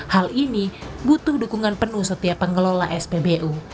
hal ini butuh dukungan penuh setiap pengelola spbu